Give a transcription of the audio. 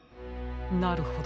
なるほど。